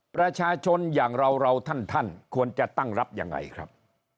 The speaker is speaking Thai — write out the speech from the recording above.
ประชาชนอย่างเราเราท่านควรจะตั้งรับยังไงครับ